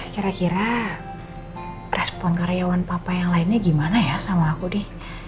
kira kira respon karyawan papa yang lainnya gimana ya sama aku deh